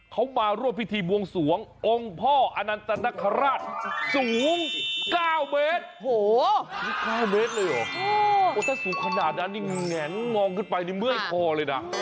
ถ้าสูงขนาดนั้นนี่แหงงองขึ้นไปเมื่อยคอเลยน่ะ